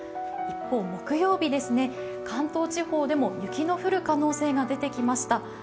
一方、木曜日、関東地方でも雪の降る可能性が出てきました。